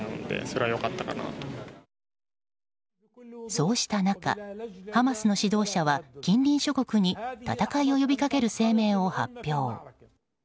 そうした中、ハマスの指導者は近隣諸国に戦いを呼びかける声明を発表。